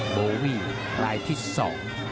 โบวี่รายที่สอง